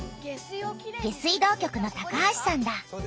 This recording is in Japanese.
下水道局の橋さんだ。